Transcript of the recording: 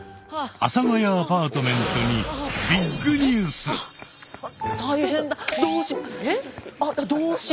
阿佐ヶ谷アパートメントにどうし。